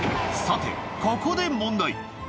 さてここで問題